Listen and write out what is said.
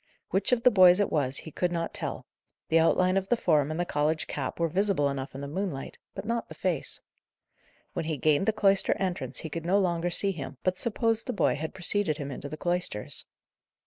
Which of the boys it was he could not tell; the outline of the form and the college cap were visible enough in the moonlight; but not the face. When he gained the cloister entrance he could no longer see him, but supposed the boy had preceded him into the cloisters.